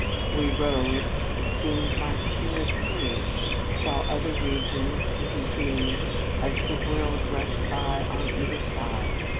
"We rode; it seemed my spirit flew, Saw other regions, cities new, As the world rushed by on either side.